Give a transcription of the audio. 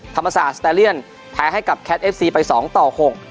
ธรรมศาสตร์สตาเลียนแพ้ให้กับแคทเอฟซีไปสองต่อหก